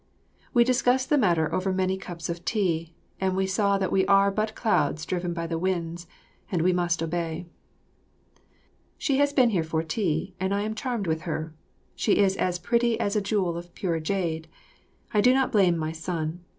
We discussed the matter over many cups of tea, and we saw that we are but clouds driven by the winds and we must obey. She has been here for tea, and I am charmed with her. She is as pretty as a jewel of pure jade; I do not blame my son.